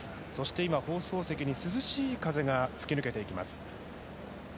今、放送席に涼しい風が吹きぬ行けていきます。